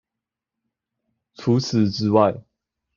除此之外